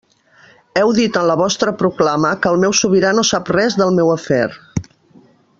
Heu dit en la vostra proclama que el meu sobirà no sap res del meu afer.